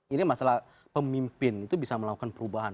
ini masalah pemimpin itu bisa melakukan perubahan